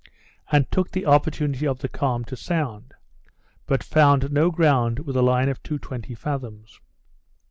and took the opportunity of the calm, to sound; but found no ground with a line of 220 fathoms.